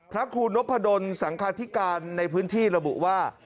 พระครูนพดลสังคาธิการในพื้นที่ระบุว่า